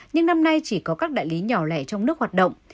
nhưng năm nay chỉ có các đại lý nhỏ lẻ trong nước hoạt động